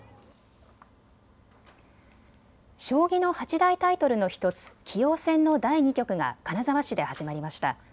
将棋の八大タイトルの１つ棋王戦の第２局が金沢市で始まりました。